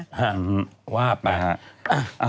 หือว่าไปค่ะ